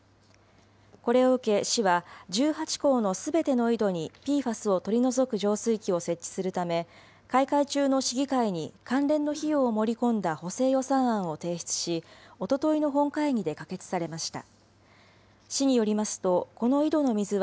これを受け市は、１８校のすべての井戸に、ＰＦＡＳを取り除く浄水器を設置するため、開会中の市議会に関連の費用を盛り込んだ補正予算案を提出し、おとといの本会議で可決されました。